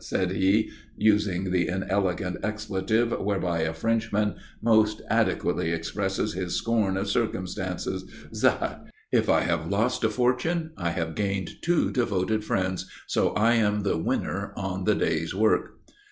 _" said he, using the inelegant expletive whereby a Frenchman most adequately expresses his scorn of circumstance. "Zut! If I have lost a fortune, I have gained two devoted friends, so I am the winner on the day's work."